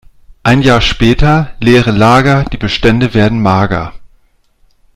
Ein Jahr später: Leere Lager, die Bestände werden mager.